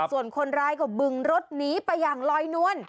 ส่วนคนร้ายก็บึงรถหนีไปอย่างลอยนวล